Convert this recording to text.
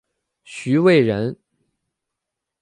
徐渭人。